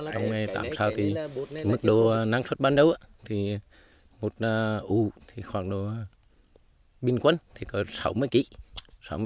trong ngày tạm sào thì mức độ năng suất ban đầu thì một ủ khoảng độ bình quân thì có sáu mươi kg